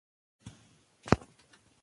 امیر دوست محمد خان په کابل کي اوسېږي.